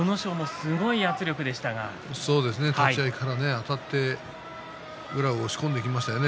そうですね立ち合いからあたって宇良を押し込んでいきましたね。